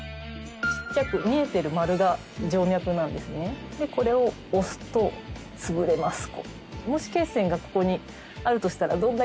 小っちゃく見えてる丸が静脈なんですね・・でこれを押すとつぶれます・